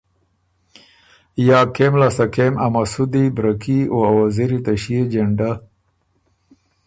یا کېم لاسته کېم ا مسُودی، برکي او ا وزیری ته ݭيې جېنډۀ